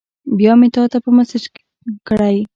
بیا مې تاته په میسج کړی